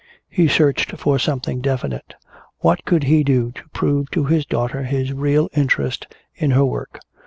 He searched for something definite. What could he do to prove to his daughter his real interest in her work?